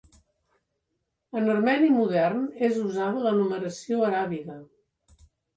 En armeni modern és usada la numeració aràbiga.